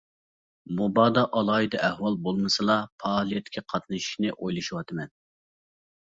مۇبادا ئالاھىدە ئەھۋال بولمىسىلا پائالىيەتكە قاتنىشىشنى ئويلىشىۋاتىمەن.